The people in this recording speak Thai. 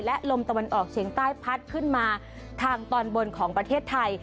และลมตะวันออกเฉียงใต้พัดขึ้นมาทางตอนบนของประเทศไทย